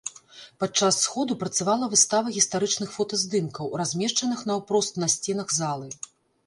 Падчас сходу працавала выстава гістарычных фотаздымкаў, размешчаных наўпрост на сценах залы.